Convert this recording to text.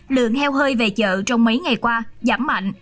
lượng heo hơi về chợ trong mấy ngày qua giảm mạnh